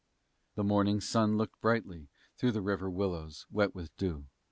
The morning sun looked brightly through The river willows, wet with dew.